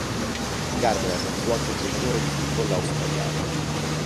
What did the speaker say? Gardner fu anche giocatore di football australiano.